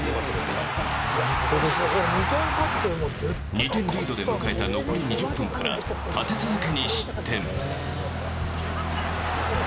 ２点リードで迎えた残り２０分から立て続けに失点。